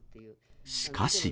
しかし。